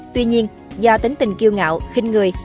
tuy nhiên do tính tình kiêu ngạo khinh người